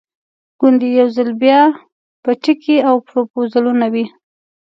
ګوندې یو ځل بیا به ټیکې او پروپوزلونه وي.